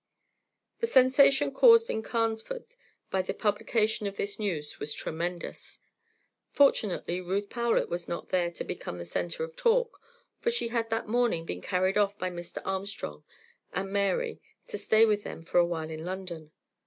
The sensation caused in Carnesford by the publication of this news was tremendous. Fortunately, Ruth Powlett was not there to become the centre of talk, for she had that morning been carried off by Mr. Armstrong and Mary to stay with them for a while in London.